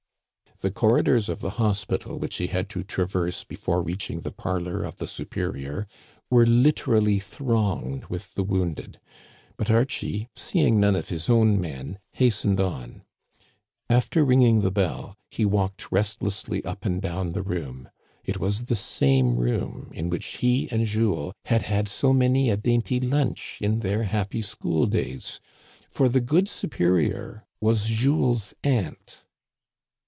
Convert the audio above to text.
The corridors of the hospital which he had to trav erse before reaching the parlor of the superior were lit erally thronged with the wounded ; but Archie, seeing none of his own men, hastened on. After ringing the bell, he walked restlessly up and down the room. It was the same room in which he and Jules had had so many a dainty lunch in their happy school days ; for the good superior was Jules's aunt.